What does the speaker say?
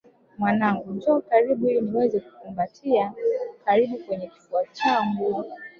Mwanangu njoo karibu ili niweze kukukumbatia karibu kwenye kifua changu